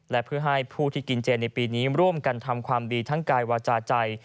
และเพื่อให้ผู้ที่กินเจนในปีนี้ร่วมกันทำความดีทั้งกายวาจาใจ